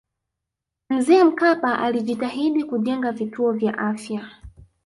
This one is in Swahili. mzee mkapa alijitahidi kujenga vituo vya afya